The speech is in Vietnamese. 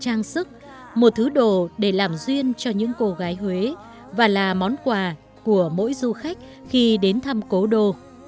trải qua những vật trang sức một thứ đồ để làm duyên cho những cô gái huế và là món quà của mỗi du khách khi đến thăm cố đồ